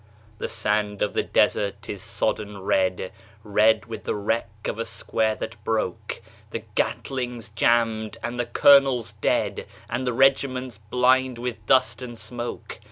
The sand of the desert is sodden red, Red with the wreck of a square that broke; The Gatling's jammed and the colonel dead, And the regiment blind with dust and smoke.